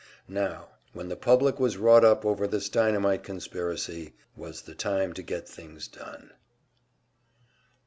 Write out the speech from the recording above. Now, when the public was wrought up over this dynamite conspiracy, was the time to get things done.